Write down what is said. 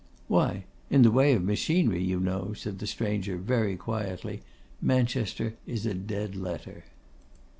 'Why, in the way of machinery, you know,' said the stranger, very quietly, 'Manchester is a dead letter.